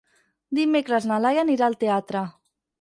Dimecres na Laia anirà al teatre.